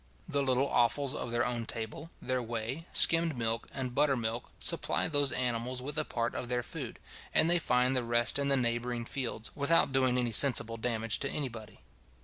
The little offals of their own table, their whey, skimmed milk, and butter milk, supply those animals with a part of their food, and they find the rest in the neighbouring fields, without doing any sensible damage to any body.